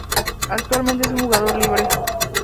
Actualmente es un jugador libre.